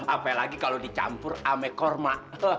apalagi kalau dicampur ame kurma